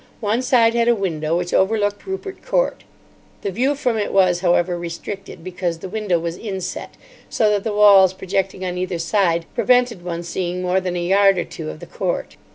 One side had a window which overlooked Rupert Court. The view from it was, however, restricted, because the window was inset, so that the walls projecting on either side prevented one seeing more than a yard or two of the court.